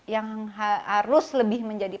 yang harus lebih menjadi